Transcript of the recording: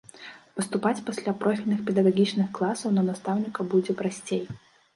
Паступаць пасля профільных педагагічных класаў на настаўніка будзе прасцей.